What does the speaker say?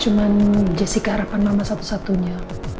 cuma jessica harapan mama satu satunya